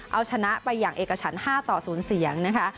เอาชนะไปอย่างเอกฉัน๕ต่อ๐เสียงนะคะ